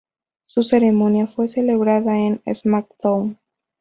Su ceremonia fue celebrada en "SmackDown!".